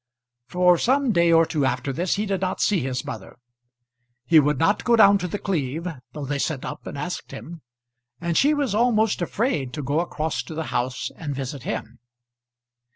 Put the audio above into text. For some day or two after this he did not see his mother. He would not go down to The Cleeve, though they sent up and asked him; and she was almost afraid to go across to the house and visit him.